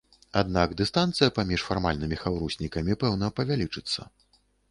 Аднак дыстанцыя між фармальнымі хаўруснікамі пэўна павялічыцца.